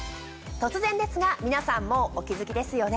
突然ですが皆さんもうお気付きですよね。